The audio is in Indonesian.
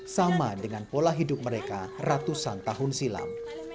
sama dengan pola hidup mereka ratusan tahun silam